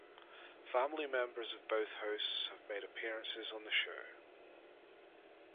Family members of both hosts have made appearances on the show.